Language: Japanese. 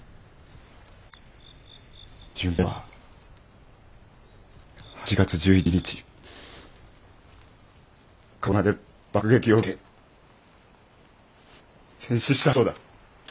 純平は８月１１日鹿児島で爆撃を受けて戦死したそうだ。